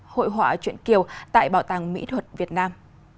hội họa chuyện kiều tại bảo tàng mỹ thuật việt nam